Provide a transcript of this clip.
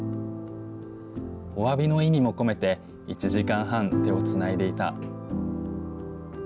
おわびの意味も込めて、１時間半、手をつないでいた。